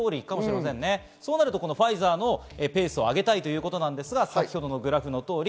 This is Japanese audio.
そうなるとファイザーのペースを上げたいということですが、グラフの通り